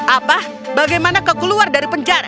apa bagaimana kau keluar dari penjara